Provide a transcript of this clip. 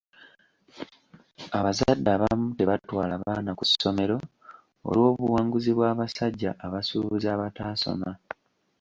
Abazadde abamu tebatwala baana ku ssomero olw'obuwanguzi bw'abasajja abasuubuzi abataasoma.